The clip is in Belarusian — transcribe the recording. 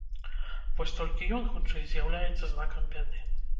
Вось толькі ён, хутчэй, з'яўляецца знакам бяды.